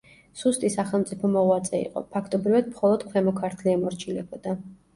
სუსტი სახელმწიფო მოღვაწე იყო, ფაქტობრივად მხოლოდ ქვემო ქართლი ემორჩილებოდა.